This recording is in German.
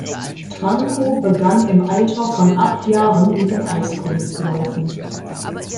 Trankow begann im Alter von acht Jahren mit dem Eiskunstlaufen.